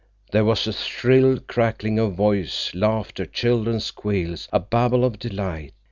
There was a shrill crackling of voice, laughter, children's squeals, a babel of delight.